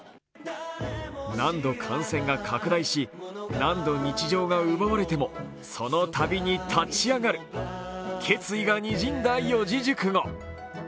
何度感染が拡大し、何度日常が奪われてもその度に立ち上がる、決意がにじんだ四字熟語。